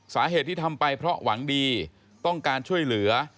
สาเหตุที่ทำไปเพราะหวังดีต้องการช่วยเหลือ